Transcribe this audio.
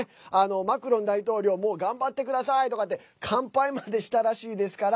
マクロン大統領も「頑張ってください！」とかって乾杯までしたらしいですから。